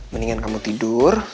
mendingan kamu tidur